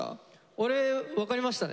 俺分かりましたね。